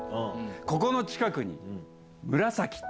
ここの近くに。